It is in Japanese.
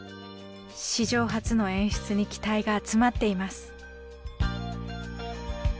史上初の演出に期待が集まっています。